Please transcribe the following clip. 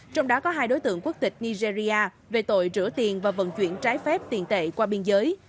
trong đó có hai đối tượng quốc tịch nigeria về tội rửa tiền và vận chuyển trái phép tiền tệ qua biên giới